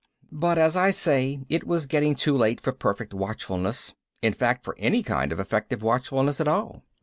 But as I say it was getting too late for perfect watchfulness, in fact for any kind of effective watchfulness at all.